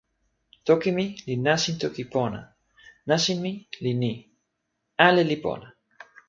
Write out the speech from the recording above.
toki mi li nasin toki pona. nasin mi li ni: ale li pona!